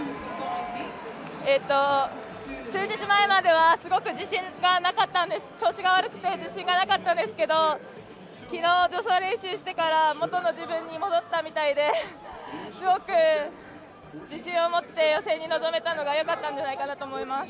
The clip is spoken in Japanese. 数日前までは、すごく調子が悪くて自信がなかったんですけど昨日、助走練習をしてから元の自分に戻ったみたいですごく自信を持って予選に臨めたのがよかったんじゃないかなと思います。